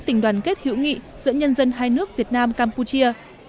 tình đoàn kết hữu nghị giữa nhân dân hai nước việt nam campuchia